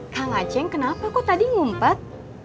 kang aceh kenapa tadi ngumpet